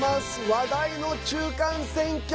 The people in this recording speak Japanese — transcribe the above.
話題の中間選挙